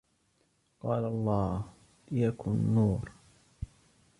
وقال الله: ليكن نور!